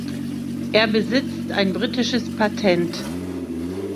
Er besitzt ein britisches Patent.